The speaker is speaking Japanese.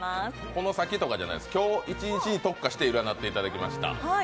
この先とかじゃないです、今日一日に特化していただきました。